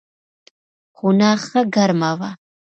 خونه ښه ګرمه وه.